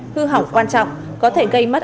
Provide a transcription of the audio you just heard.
hư hỏng quan trọng có thể gây mất